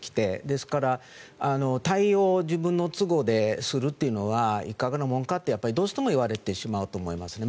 ですから、退位を自分の都合でするというのはいかがなものかとどうしても言われてしまうと思いますね。